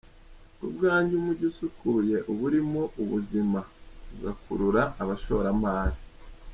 Ku bwanjye umujyi usukuye uba urimo ubuzima, ugakurura abashoramari.